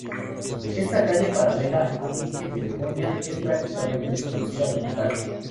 Esta calle, paralela a Virgen de Begoña, es prácticamente desconocida como tal.